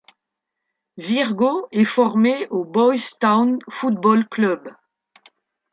Virgo est formé au Boys' Town Football Club.